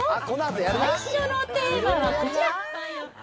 最初のテーマはこちら。